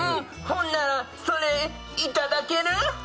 ほんならそれ、いただける？